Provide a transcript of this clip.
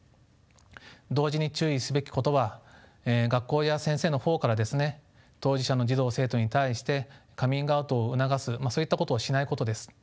同時に注意すべきことは学校や先生の方からですね当事者の児童・生徒に対してカミングアウトを促すそういったことをしないことです。